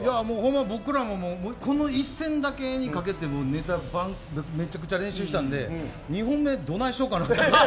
僕らもこの一戦だけにかけてネタめちゃくちゃ練習したので２本目どないしようかなと。